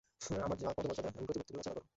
আমার জাত, পদমর্যাদা এবং প্রতিপত্তি বিবেচনা কর।